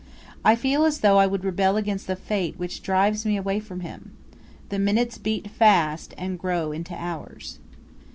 I feel as though I would rebel against the fate which drives me away from him. The minutes beat fast, and grow into hours.